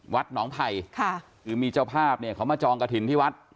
วัดหนองไผ่ค่ะคือมีเจ้าภาพเนี่ยเขามาจองกระถิ่นที่วัด